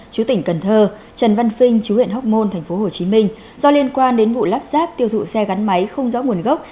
chú tỉnh cần thơ trần văn phi chú huyện hóc môn tp hcm do liên quan đến vụ lắp ráp tiêu thụ xe gắn máy không rõ nguồn gốc